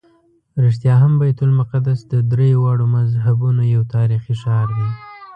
رښتیا هم بیت المقدس د درېواړو مذهبونو یو تاریخي ښار دی.